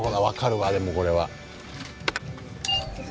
分かるわでもこれは。